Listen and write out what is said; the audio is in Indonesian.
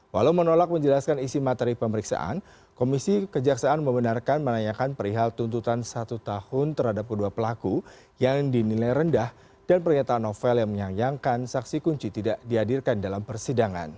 walau menolak menjelaskan isi materi pemeriksaan komisi kejaksaan membenarkan menanyakan perihal tuntutan satu tahun terhadap kedua pelaku yang dinilai rendah dan pernyataan novel yang menyayangkan saksi kunci tidak dihadirkan dalam persidangan